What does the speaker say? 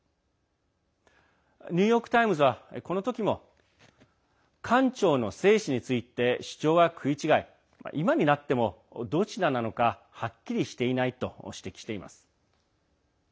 ニューヨーク・タイムズはこの時も艦長の生死について主張は食い違い今になっても、どちらなのかはっきりしていないと指摘しています。